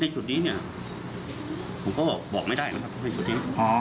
ในจุดนี้เนี่ยผมก็บอกไม่ได้นะครับในจุดนี้